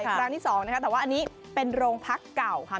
ครั้งที่๒นะคะแต่ว่าอันนี้เป็นโรงพักเก่าค่ะ